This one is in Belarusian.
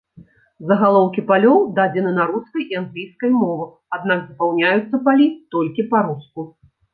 Загалоўкі палёў дадзены на рускай і англійскай мовах, аднак запаўняюцца палі толькі па-руску.